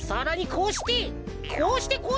こうしてこうして。